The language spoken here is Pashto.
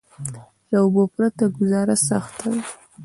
له اوبو پرته ګذاره سخته ده.